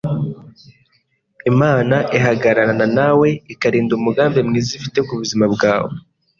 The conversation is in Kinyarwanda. Imana ihagararana nawe ikarinda umugambi mwiza ifite ku buzima bwawe.